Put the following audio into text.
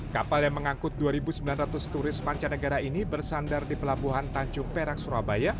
kapal yang mengangkut dua sembilan ratus turis panca negara ini bersandar di pelabuhan tanjung perak surabaya